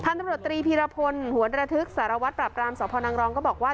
ตำรวจตรีพีรพลหัวระทึกสารวัตรปราบรามสพนังรองก็บอกว่า